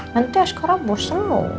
nanti askara abur semua